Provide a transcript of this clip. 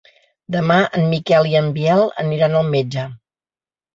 Demà en Miquel i en Biel aniran al metge.